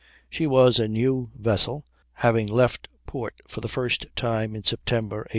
She was a new vessel, having left port for the first time in September, 1814.